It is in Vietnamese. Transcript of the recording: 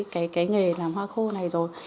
cái nghề làm hoa khô này rồi